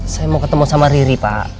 saya mau ketemu sama riri pak